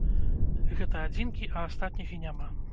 Гэта адзінкі, а астатніх і няма.